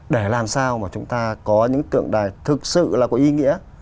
để làm sao mà chúng ta có những tượng đài thực sự là có ý nghĩa